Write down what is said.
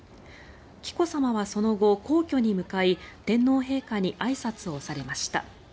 紀子さまはその後皇居に向かい天皇陛下にあいさつをされました。